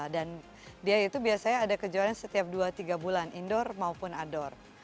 dan dia itu biasanya ada kejuaraan setiap dua tiga bulan indoor maupun outdoor